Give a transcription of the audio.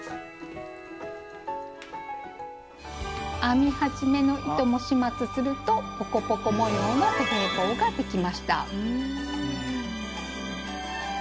編み始めの糸も始末するとポコポコ模様のベレー帽ができました。